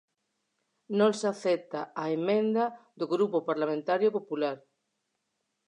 Non se acepta a emenda do Grupo Parlamentario Popular.